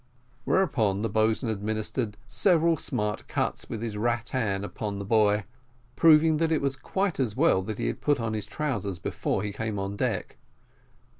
Whereupon the boatswain administered several smart cuts with his rattan upon the boy, proving that it was quite as well that he had put on his trousers before he came on deck.